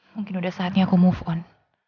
mungkin udah saatnya aku move on